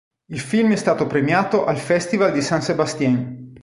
Il film è stato premiato al Festival di San Sebastián.